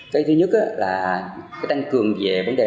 cái thứ nhất là cái tăng cường về hoạt động tri mein